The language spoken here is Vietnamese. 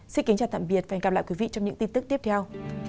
xin kính chào tạm biệt và hẹn gặp lại quý vị trong những tin tức tiếp theo